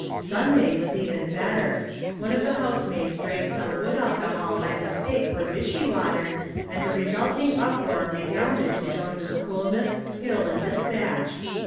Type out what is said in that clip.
Sunday was even better. One of the housemaids drank some wood alcohol by mistake for vichy water, and the resulting uproar redounded to Jones' coolness, skill and despatch.